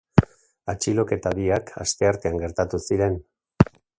Atxiloketa biak asteartean gertatu ziren.